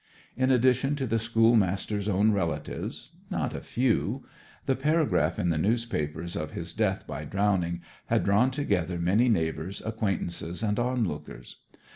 In addition to the schoolmaster's own relatives (not a few), the paragraph in the newspapers of his death by drowning had drawn together many neighbours, acquaintances, and onlookers.